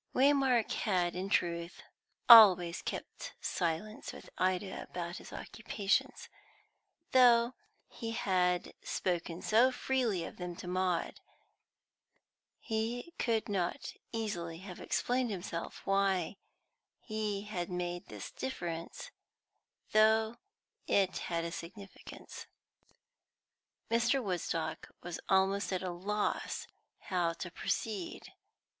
Waymark had in truth always kept silence with Ida about his occupations, though he had spoken so freely of them to Maud. He could not easily have explained to himself why he had made this difference, though it had a significance. Mr. Woodstock was almost at a loss how to proceed.